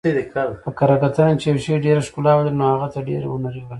په کره کتنه کښي، چي یوشي ډېره ښکله ولري نو هغه ته ډېر هنري وايي.